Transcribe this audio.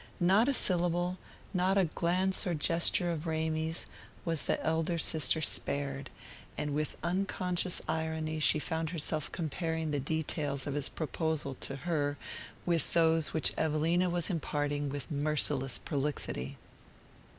Not a syllable, not a glance or gesture of Ramy's, was the elder sister spared; and with unconscious irony she found herself comparing the details of his proposal to her with those which Evelina was imparting with merciless prolixity.